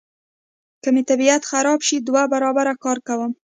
که مې طبیعت خراب شي دوه برابره کار کوم.